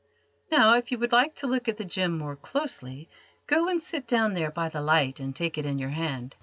Now, if you would like to look at the gem more closely, go and sit down there by the light and take it in your hand.